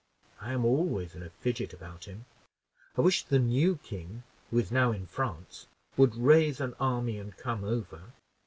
I am always in a fidget about him. I wish the new king, who is now in France would raise an army and come over.